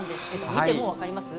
見ても分かりますか？